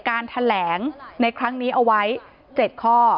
การแถลงในครั้งนี้เอาไว้๗ข้อ